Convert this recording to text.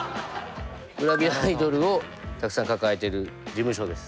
グラビアアイドルをたくさん抱えてる事務所です。